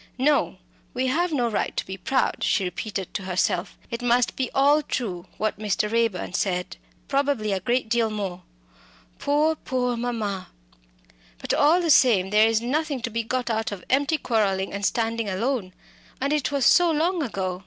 "No, we have no right to be proud," she repeated to herself. "It must be all true what Mr. Raeburn said probably a great deal more. Poor, poor mamma! But, all the same, there is nothing to be got out of empty quarrelling and standing alone. And it was so long ago."